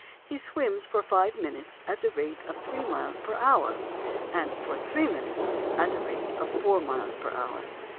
He swims for five minutes at the rate of three miles per hour, and for three minutes at the rate of four miles per hour.